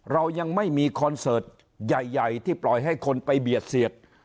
เรายังไม่มีคอนเสิร์ตใหญ่ที่ปล่อยให้คนไปเบียดเสียด